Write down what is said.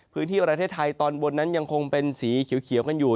พื้นที่ประเทศไทยตอนบนนั้นยังคงเป็นสีเขียวกันอยู่